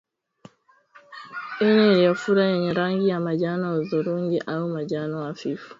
Ini iliyofura yenye rangi ya manjano hudhurungi au manjano hafifu